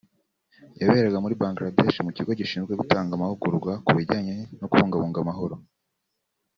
yaberaga muri Bangladesh mu kigo gishinzwe gutanga amahugurwa ku bijyanye no kubungabunga amahoro